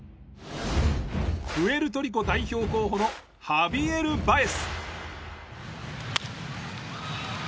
プエルトリコ代表候補のハビエル・バエス。